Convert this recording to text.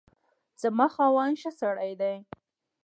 زما خاوند ښه سړی دی